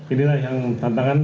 inilah yang tantangan